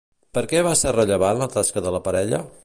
Per què va ser rellevant la tasca de la parella?